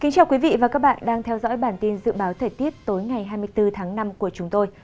chào các bạn đã theo dõi bản tin dự báo thời tiết tối ngày hai mươi bốn tháng năm của chúng tôi